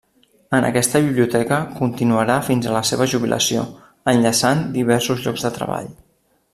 En aquesta biblioteca continuarà fins a la seva jubilació, enllaçant diversos llocs de treball.